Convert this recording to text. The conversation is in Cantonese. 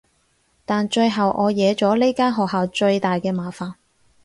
但最後我惹咗呢間學校最大嘅麻煩